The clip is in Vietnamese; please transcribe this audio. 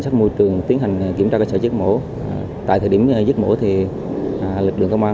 không đeo bảo hộ lao động